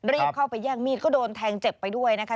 รีบเข้าไปแย่งมีดก็โดนแทงเจ็บไปด้วยนะคะ